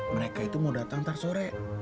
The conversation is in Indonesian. mereka itu mau datang ntar sore